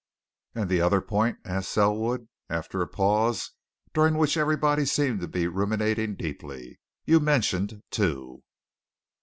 "And the other point?" asked Selwood, after a pause during which everybody seemed to be ruminating deeply. "You mentioned two."